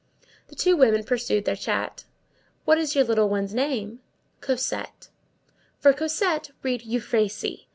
The two women pursued their chat. "What is your little one's name?" "Cosette." For Cosette, read Euphrasie.